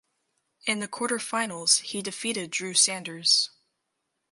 In the quarterfinals he defeated Drew Sanders.